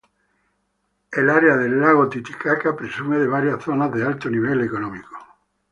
El área de Lago Washington presume de varias zonas de alto nivel económico.